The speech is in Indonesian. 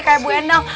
kayak ibu endang